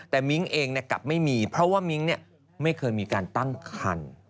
แต่มิ้งเองกลับไม่มีเพราะว่ามิ้งไม่เคยมีการตั้งคัน